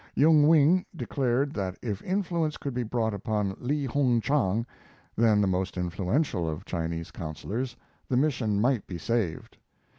Yung Wing declared that if influence could be brought upon Li Hung Chang, then the most influential of Chinese counselors, the mission might be saved.